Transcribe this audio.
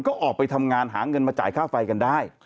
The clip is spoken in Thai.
ก็ออกไปทำงานหาเงินมาจ่ายค่าไฟกันได้